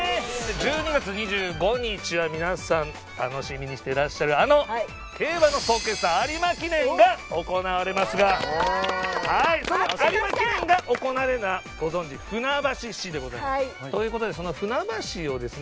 １２月２５日は皆さん楽しみにしてらっしゃるあの競馬の総決算有馬記念が行われますがその有馬記念が行われるのはご存じ。ということでその船橋をですね